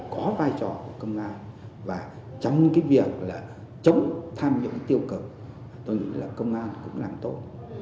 có vai trò của công an và trong cái việc là chống tham nhũng tiêu cực tôi nghĩ là công an cũng làm tốt